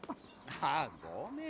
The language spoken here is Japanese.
あごめん